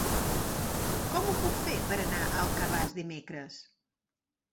Com ho puc fer per anar a Alcarràs dimecres?